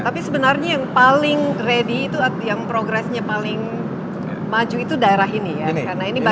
tapi sebenarnya yang paling ready itu yang progresnya paling maju itu daerah ini ya